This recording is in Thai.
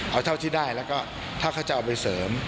เอาเท่าที่ได้แล้วก็ถ้าเขาจะเอาไปเสริม